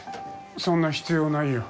そんな必要ないよ。